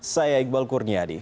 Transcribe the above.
saya iqbal kurniadi